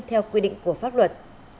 theo quy định của pháp luật